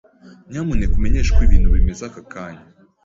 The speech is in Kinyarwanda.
Nyamuneka umenyeshe uko ibintu bimeze ako kanya?